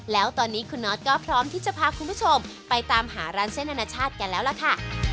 แล้วตอนนี้คุณนอทก็พร้อมที่จะพาคุณผู้ชมไปตามหาร้านเส้นอนาชาติกันแล้วล่ะค่ะ